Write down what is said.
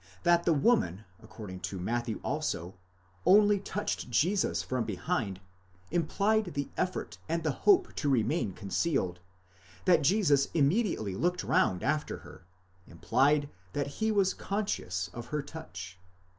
That the woman according to Matthew also, only touched Jesus from behind, implied the effort and the hope to remain concealed; that Jesus immediately looked round after her, implied that he was conscious of her touch.